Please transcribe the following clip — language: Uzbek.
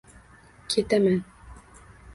Ketaman!